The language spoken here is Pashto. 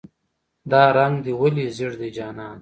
"دا رنګ دې ولې زیړ دی جانانه".